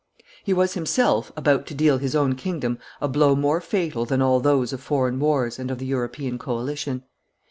He was himself about to deal his own kingdom a blow more fatal than all those of foreign wars and of the European coalition.